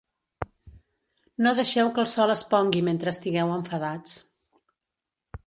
No deixeu que el sol es pongui mentre estigueu enfadats.